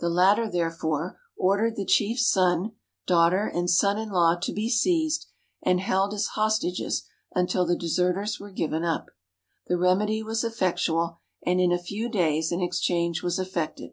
The latter, therefore, ordered the chief's son, daughter, and son in law to be seized, and held as hostages until the deserters were given up. The remedy was effectual, and in a few days an exchange was effected.